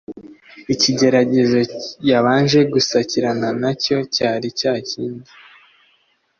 Ikigeragezo yabanje gusakirana na cyo cyari cya kindi